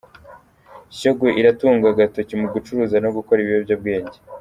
Shyogwe iratungwa agatoki mu gucuruza no gukora ibiyobyabwenge